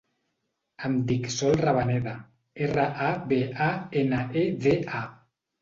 Em dic Sol Rabaneda: erra, a, be, a, ena, e, de, a.